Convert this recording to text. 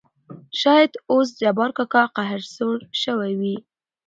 شاېد اوس جبار کاکا قهر سوړ شوى وي.